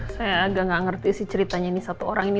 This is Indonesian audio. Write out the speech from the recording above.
saya agak nggak ngerti sih ceritanya ini satu orang ini